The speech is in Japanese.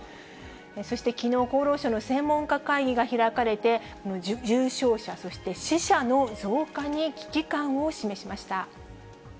そしてきのう、厚労省の専門家会議が開かれて、重症者、そして死者の増加に危機感を示しました。